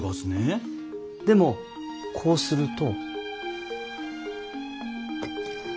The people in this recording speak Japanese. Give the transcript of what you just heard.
でもこうすると。